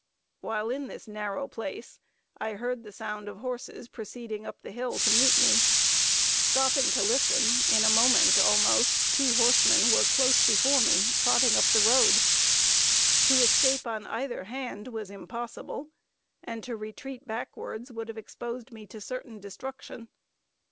Whilst in this narrow place, I heard the sound of horses proceeding up the hill to meet me. Stopping to listen, in a moment almost two horsemen were close before me, trotting up the road. To escape on either hand was impossible, and to retreat backwards would have exposed me to certain destruction.